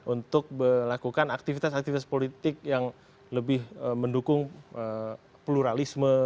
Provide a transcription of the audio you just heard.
untuk melakukan aktivitas aktivitas politik yang lebih mendukung pluralisme